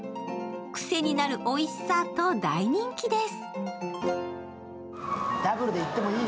クセになるおいしさと大人気です。